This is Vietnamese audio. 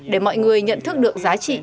để mọi người nhận thức được giá trị